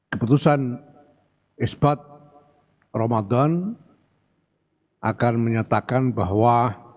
keputusan isbat ramadan akan menyatakan bahwa